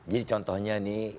jadi contohnya ini